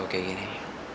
gara gara gue begini